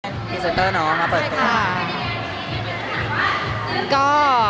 พรีเซ้นเตอร์มาเปิดตัว